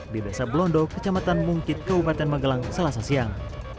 di desa blondo kecamatan mungkit kabupaten magelang selasa siang